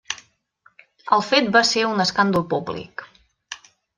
El fet va ser un escàndol públic.